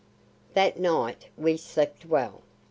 That night we slept well.